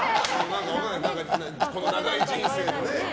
この長い人生でね。